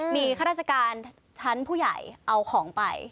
มีข้าราชการชั้นผู้ใหญ่เอาของไป